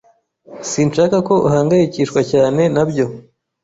Sinshaka ko uhangayikishwa cyane nabyo.